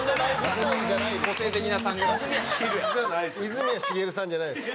泉谷しげるさんじゃないです。